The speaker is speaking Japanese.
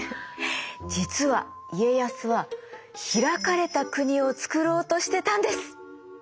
実は家康は開かれた国をつくろうとしてたんです！